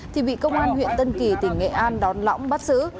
thì bị công an huyện tân kỳ tỉnh nghệ an đón lõng bắt xử